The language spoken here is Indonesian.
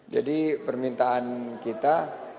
jadi permintaan kita